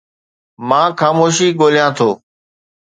مان خاموشي ڳوليان ٿو